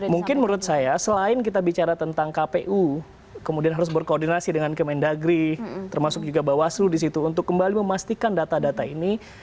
mungkin menurut saya selain kita bicara tentang kpu kemudian harus berkoordinasi dengan kemendagri termasuk juga bawaslu disitu untuk kembali memastikan data data ini